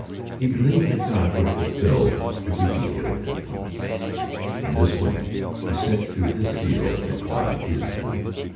He believed that God would fulfil every detail of that promise. In this way he set to his seal that God is true.